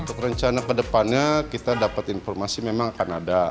untuk rencana kedepannya kita dapat informasi memang akan ada